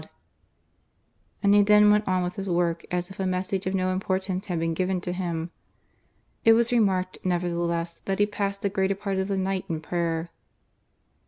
And he then went on with his work as if a message of no importance had been given to him. It was remarked, nevertheless, that he passed the greater part of the night in pmjer.